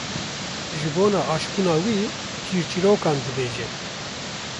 ji bona aşbûna wî çîrçîrokan dibêje.